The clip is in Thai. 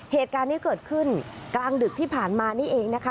เหตุการณ์นี้เกิดขึ้นกลางดึกที่ผ่านมานี่เองนะคะ